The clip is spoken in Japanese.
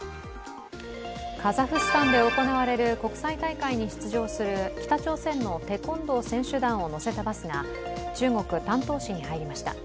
カザフスタンで行われる国際大会に出場する北朝鮮のテコンドー選手団を乗せたバスが中国・丹東市に入りました。